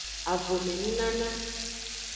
Avome nunana.